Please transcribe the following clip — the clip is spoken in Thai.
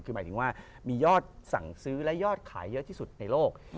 คือหมายถึงว่ามียอดสั่งซื้อและยอดขายเยอะที่สุดในโลก